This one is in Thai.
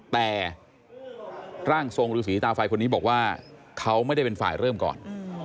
แต่ร่างทรงฤษีตาไฟคนนี้บอกว่าเขาไม่ได้เป็นฝ่ายเริ่มก่อน